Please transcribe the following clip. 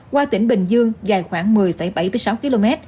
qua tỉnh bình dương dài khoảng một mươi bảy mươi sáu km